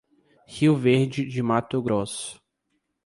Rio Verde de Mato Grosso